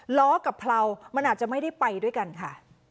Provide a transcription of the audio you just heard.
ล้อกับเพลามันอาจจะไม่ได้ไปด้วยกันค่ะ